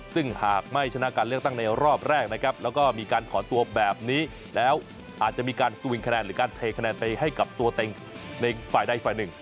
ซึ่งหากไม่ชนะการเลือกตั้งในรอบแรกนะครับแล้วก็มีการขอตัวแบบนี้แล้วอาจจะมีการสวิงคะแนนหรือการเทคะแนนไปให้กับตัวเต็งในฝ่ายใดฝ่ายหนึ่ง